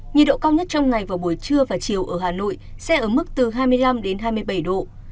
nhiệt độ cao nhất trong ngày vào buổi trưa và chiều ở hà nội sẽ ở mức từ hai mươi năm hai mươi bảy độ